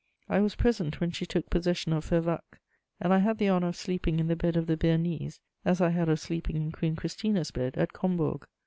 I was present when she took possession of Fervacques, and I had the honour of sleeping in the bed of the Bearnese, as I had of sleeping in Queen Christina's bed at Combourg.